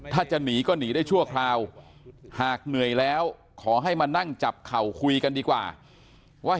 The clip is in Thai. ถ้าจะหนีก็หนีได้ชั่วคราวหากเหนื่อยแล้วขอให้มานั่งจับเข่าคุยกันดีกว่าว่า